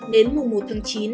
đến mùa một tháng chín